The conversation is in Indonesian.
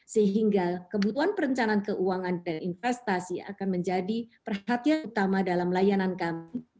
sehingga kebutuhan perencanaan keuangan dan investasi akan menjadi perhatian utama dalam layanan kami